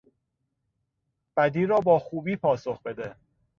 بدی را با خوبی پاسخ بده.